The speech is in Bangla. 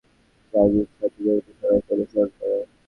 জাজির সাথে জড়িত সবাইকে অনুসরণ কর।